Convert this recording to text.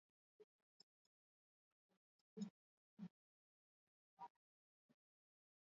matajiri na maskini walitamani tiketi ya titanic